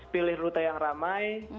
pilih rute yang ramai